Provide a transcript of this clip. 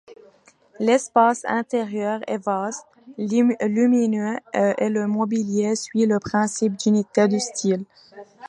L’espace intérieur est vaste, lumineux et le mobilier suit le principe d’unité de style.